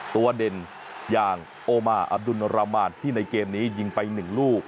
เด่นอย่างโอมาอับดุลรามานที่ในเกมนี้ยิงไป๑ลูก